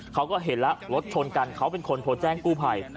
เขาก็เห็นแล้วรถชนกันเขาเป็นคนโทรแจ้งกู้ภัย